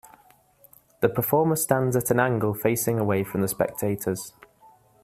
The performer stands at an angle facing away from the spectators.